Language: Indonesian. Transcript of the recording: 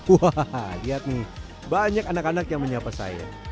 wah lihat nih banyak anak anak yang menyapa saya